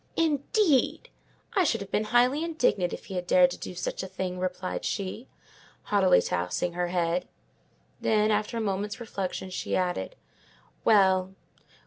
"Indeed! I should have been highly indignant if he had dared to do such a thing!" replied she, haughtily tossing her head; then, after a moment's reflection, she added—"Well, well!